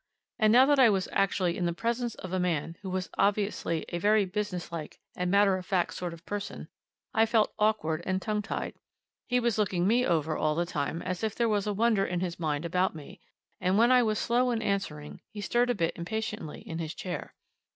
And now that I was actually in the presence of a man who was obviously a very businesslike and matter of fact sort of person, I felt awkward and tongue tied. He was looking me over all the time as if there was a wonder in his mind about me, and when I was slow in answering he stirred a bit impatiently in his chair.